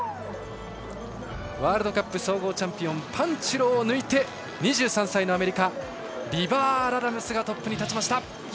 ワールドカップ総合チャンピオンパンテュローを抜いて２３歳のアメリカリバー・ラダムスがトップです。